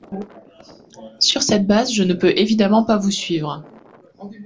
Sur cette base, je ne peux évidemment pas vous suivre.